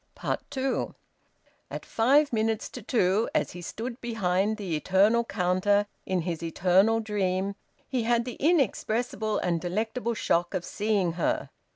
TWO. At five minutes to two, as he stood behind the eternal counter in his eternal dream, he had the inexpressible and delectable shock of seeing her.